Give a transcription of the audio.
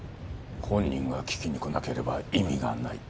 本人が聞きに来なければ意味がない。